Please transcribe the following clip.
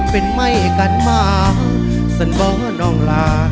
โปรดติดตามตอนต่อไป